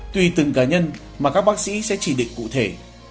tùy từng cá nhân mà các bác sĩ sẽ chỉ định cụ thể